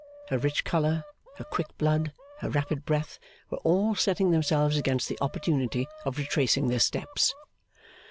Her rich colour, her quick blood, her rapid breath, were all setting themselves against the opportunity of retracing their steps.